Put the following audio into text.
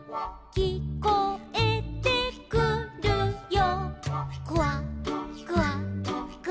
「きこえてくるよ」